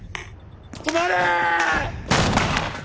止まれー！